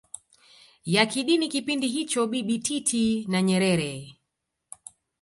ya kidini kipindi hicho Bibi Titi na Nyerere